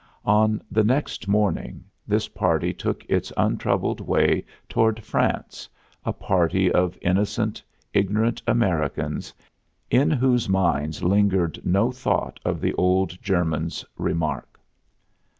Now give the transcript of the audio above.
On the next morning this party took its untroubled way toward France, a party of innocent, ignorant Americans, in whose minds lingered no thought of the old German's remark.